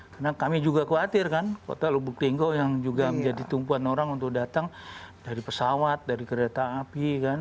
karena kami juga khawatir kan kota lubuk linggo yang juga menjadi tumpuan orang untuk datang dari pesawat dari kereta api kan